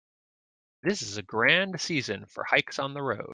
This is a grand season for hikes on the road.